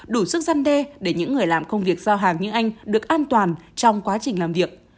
đủ sức gian đe để những người làm công việc giao hàng như anh được an toàn trong quá trình làm việc